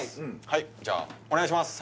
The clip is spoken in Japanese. はいじゃあお願いします